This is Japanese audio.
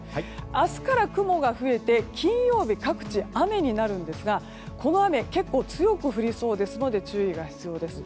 明日から雲が増えて金曜日、各地雨になるんですがこの雨結構強く降りそうですので注意が必要です。